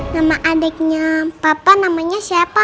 nama adiknya papa namanya siapa